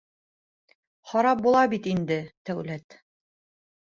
— Харап була бит инде Тәүләт...